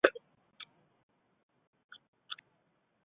阮福淳是尊室协生前使用的名字。